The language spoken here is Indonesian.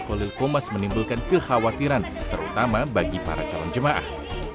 khalil qomas menimbulkan kekhawatiran terutama bagi para calon jemaah